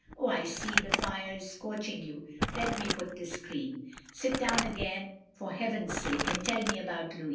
Oh, I see, the fire is scorching you; let me put this screen. Sit down again for heaven's sake, and tell me about Louis.